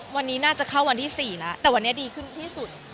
วันนี้น่าจะเข้าวันที่๔แล้วแต่วันนี้ดีขึ้นที่สุด